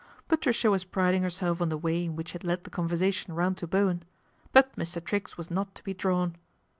Patricia was priding herself on the way which she had led the conversation round to wen ; but Mr. Triggs was not to be drawn.